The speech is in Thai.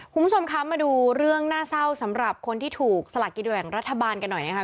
คุณผู้ชมคะมาดูเรื่องน่าเศร้าสำหรับคนที่ถูกสลากกินแบ่งรัฐบาลกันหน่อยนะคะ